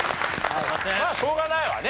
まあしょうがないわね。